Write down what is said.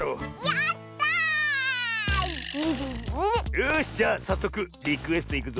よしじゃあさっそくリクエストいくぞ。